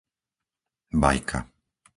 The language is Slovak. Bajka